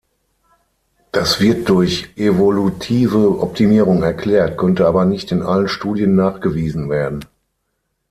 Das wird durch evolutive Optimierung erklärt, konnte aber nicht in allen Studien nachgewiesen werden.